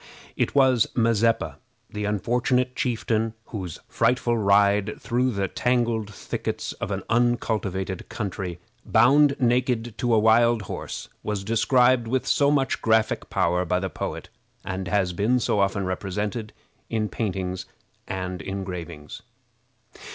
It was Mazeppa, the unfortunate chieftain whose frightful ride through the tangled thickets of an uncultivated country, bound naked to a wild horse, was described with so much graphic power by the poet, and has been so often represented in paintings and engravings.